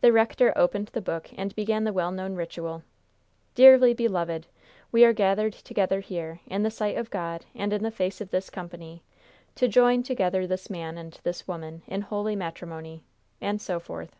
The rector opened the book, and began the well known ritual: "Dearly beloved, we are gathered together here, in the sight of God and in the face of this company, to join together this man and this woman in holy matrimony," and so forth.